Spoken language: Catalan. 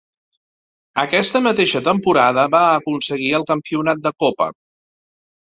Aquesta mateixa temporada va aconseguir el campionat de copa.